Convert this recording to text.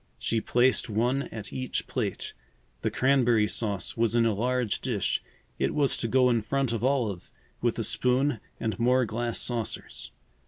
She placed one at each plate. The cranberry sauce was in a large dish. It was to go in front of Olive, with a spoon and more glass saucers.